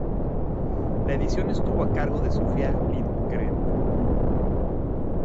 La edición estuvo a cargo de Sofia Lindgren.